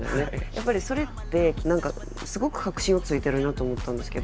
やっぱりそれって何かすごく核心をついてるなと思ったんですけど。